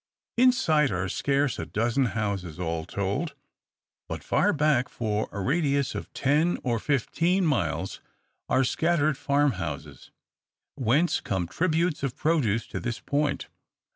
In sight are scarce a dozen houses, all told; but far back, for a radius of ten or fifteen miles, are scattered farmhouses whence come tributes of produce to this point.